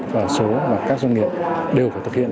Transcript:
và số mà các doanh nghiệp đều phải thực hiện